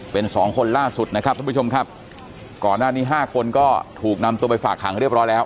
เป็นสองคนล่าสุดนะครับท่านผู้ชมครับก่อนหน้านี้ห้าคนก็ถูกนำตัวไปฝากขังเรียบร้อยแล้ว